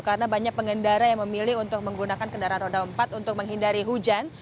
karena banyak pengendara yang memilih untuk menggunakan kendaraan roda empat untuk menghindari hujan